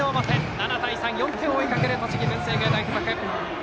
７対３と４点を追いかける栃木・文星芸大付属。